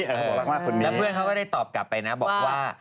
แล้วเพื่อนเขาก็ได้ตอบกลับไปนะบอกว่า